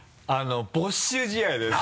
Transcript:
没収試合です。